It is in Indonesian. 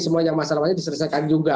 semua yang masalahnya diselesaikan juga